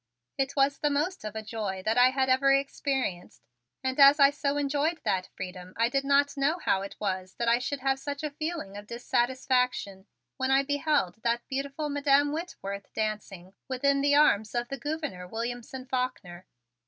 It was the most of a joy that I had ever experienced. And as I so enjoyed that freedom I did not know how it was that I should have such a feeling of dissatisfaction when I beheld that beautiful Madam Whitworth dancing within the arms of the Gouverneur Williamson Faulkner.